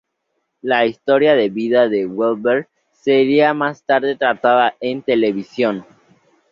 La historia de vida de Webber sería más tarde tratada en televisión.